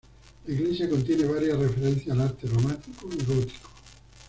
La iglesia contiene varias referencias al arte románico y gótico.